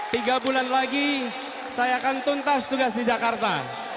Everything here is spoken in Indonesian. tiga bulan lagi saya akan tuntas tugas di jakarta